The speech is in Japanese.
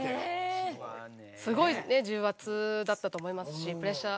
すごい重圧だったと思いますしプレッシャー。